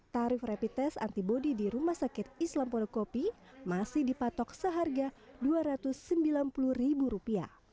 tarif repites antibody di rumah sakit islam pondok kopi masih dipatok seharga rp dua ratus sembilan puluh